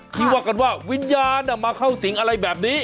ที่ว่ากันว่าวิญญาณมาเข้าสิงอะไรแบบนี้